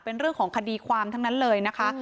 เป็นเรื่องของคดีความทั้งนั้นเลยนะคะ